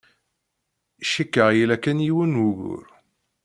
Cikkeɣ yella kan yiwen n wugur.